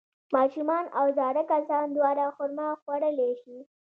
ماشومان او زاړه کسان دواړه خرما خوړلی شي.